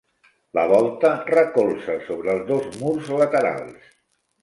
La volta recolza sobre els dos murs laterals.